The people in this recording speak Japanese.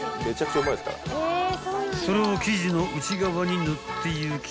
［それを生地の内側に塗っていき］